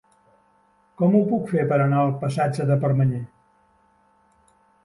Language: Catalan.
Com ho puc fer per anar al passatge de Permanyer?